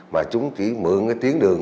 mà chúng chỉ mượn cái tiến đường